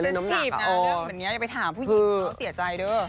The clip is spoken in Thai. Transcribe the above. รับพิสิทธิ์พี่อย่าไปถามผู้หญิงเขาเสียใจด้วย